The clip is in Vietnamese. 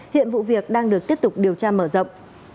hiện vụ việc đang được tiếp tục điều tra mở rộng